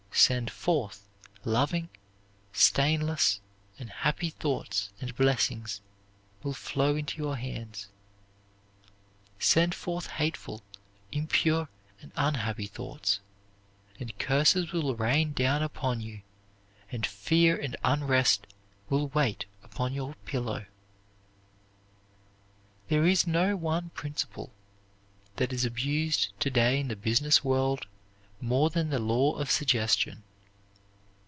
"Send forth loving, stainless, and happy thoughts, and blessings will flow into your hands; send forth hateful, impure, and unhappy thoughts, and curses will rain down upon you and fear and unrest will wait upon your pillow." There is no one principle that is abused to day in the business world more than the law of suggestion.